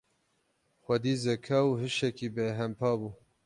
Xwedî zeka û hişekî bêhempa bû.